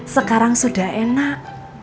sekarang sudah enak